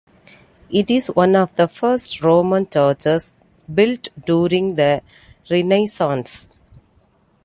It is one of the first Roman churches built during the Renaissance.